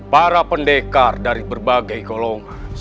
para pendekar dari berbagai golongan